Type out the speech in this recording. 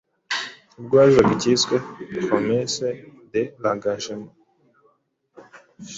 ubwo hazaga icyiswe ‘Promesse de l’Angagement